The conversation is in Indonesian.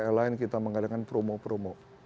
airline kita mengadakan promo promo